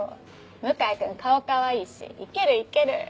向井君顔かわいいしいけるいける。